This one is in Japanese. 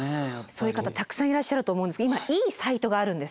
そういう方たくさんいらっしゃると思うんですけど今いいサイトがあるんですよ。